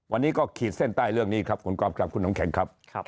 วันนี้ก็ขีดเส้นใต้เรื่องนี้ครับขอบคุณคุณน้องแข็งครับ